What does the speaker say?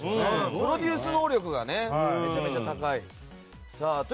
プロデュース能力がめちゃめちゃ高い。